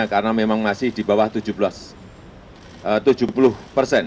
karena memang masih di bawah tujuh puluh persen